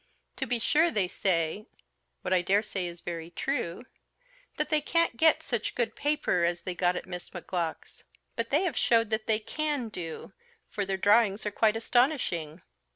To be sure they say what I daresay is very true that they can't get such good paper as they got at Miss Macgowk's; but they have showed that they _can _do, for their drawings are quite astonishing.